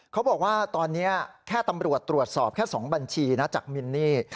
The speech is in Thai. เขาบอกว่าตอนนี้แค่ตำรวจตรวจสอบแค่๒บัญชีนะจากมินนี่